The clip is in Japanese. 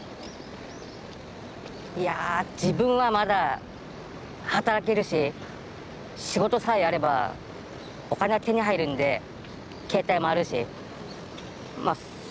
いや自分はまだ働けるし仕事さえあればお金は手に入るんで携帯もあるしまあ